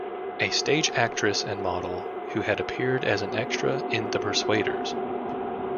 A stage actress and model who had appeared as an extra in The Persuaders!